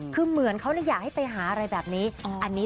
คือเหมือนเขาอยากให้ไปหาอะไรแบบนี้